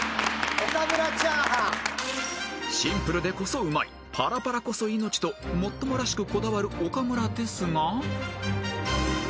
［シンプルでこそうまいパラパラこそ命ともっともらしくこだわる岡村ですが］